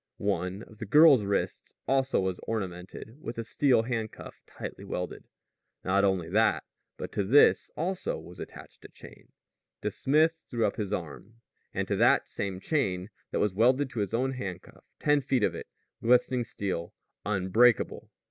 One of the girl's wrist's also was ornamented with a steel handcuff tightly welded. Not only that, but to this also was attached a chain. The smith threw up his arm. It was the same chain that was welded to his own handcuff ten feet of it, glistening steel, unbreakable.